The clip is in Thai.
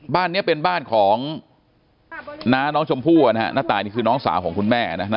บ้านนี้เป็นบ้านของน้าน้องชมพู่ณตายนี่คือน้องสาวของคุณแม่นะ